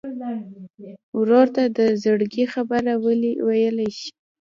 ورور ته د زړګي خبره ویلی شې.